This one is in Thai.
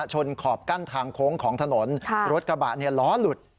ขอบกั้นทางโค้งของถนนรถกระบะเนี่ยล้อหลุด